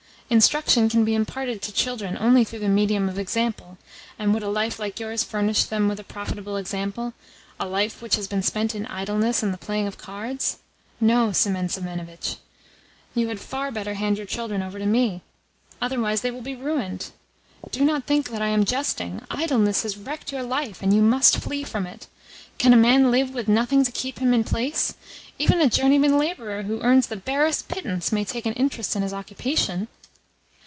Instruction can be imparted to children only through the medium of example; and would a life like yours furnish them with a profitable example a life which has been spent in idleness and the playing of cards? No, Semen Semenovitch. You had far better hand your children over to me. Otherwise they will be ruined. Do not think that I am jesting. Idleness has wrecked your life, and you must flee from it. Can a man live with nothing to keep him in place? Even a journeyman labourer who earns the barest pittance may take an interest in his occupation."